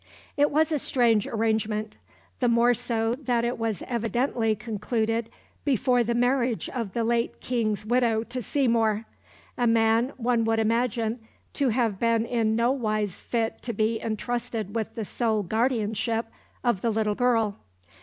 It was a strange arrangement; the more so that it was evidently concluded before the marriage of the late King's widow to Seymour, a man one would imagine to have been in no wise fit to be entrusted with the sole guardianship of the little girl.